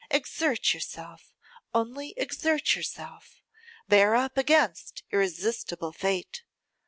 Exert yourself, only exert yourself, bear up against irresistible fate.